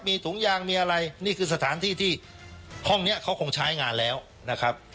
มีถุงยางมีอะไรนี่คือสถานที่ที่ห้องนี้เขาคงใช้งานแล้วนะครับ